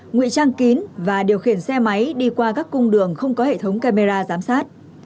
nguy trang kín và điều khiển xe máy đi qua các cung đường không có hệ thống camera giám sát